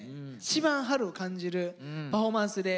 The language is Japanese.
一番春を感じるパフォーマンスで。